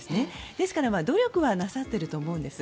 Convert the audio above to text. ですから努力はなさっていると思うんです。